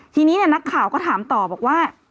ทีนี้นักข่าวก็ถามต่อบอกว่า